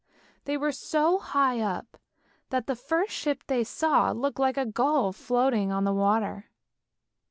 They were so high up that the first ship they saw looked like a gull floating on the water.